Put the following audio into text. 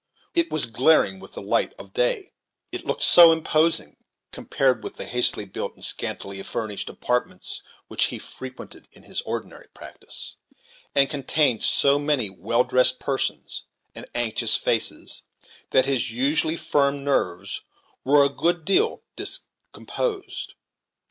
It was glaring with the light of day; it looked so imposing, compared with the hastily built and scantily furnished apartments which he frequented in his ordinary practice, and contained so many well dressed persons and anxious faces, that his usually firm nerves were a good deal discomposed.